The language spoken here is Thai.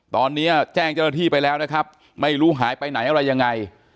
ตอนนี้แจ้งเจ้าหน้าที่ไปแล้วนะครับไม่รู้หายไปไหนอะไรยังไง